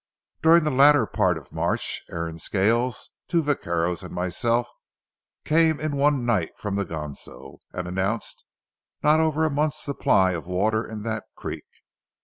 During the latter part of March, Aaron Scales, two vaqueros, and myself came in one night from the Ganso and announced not over a month's supply of water in that creek.